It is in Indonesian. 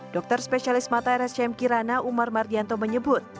dokter spesialis mata rscm kirana umar mardianto menyebut